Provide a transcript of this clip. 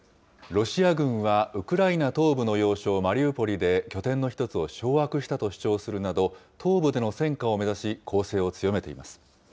ロシア軍はウクライナ東部の要衝マリウポリで、拠点の１つを掌握したと主張するなど、東部での戦果を目指し、攻勢を強めています。